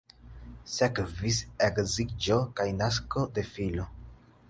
Sekvis edziĝo kaj nasko de filo.